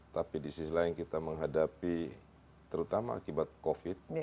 tapi di sisi lain kita menghadapi terutama akibat covid